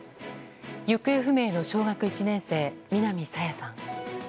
行方不明の小学１年生南朝芽さん。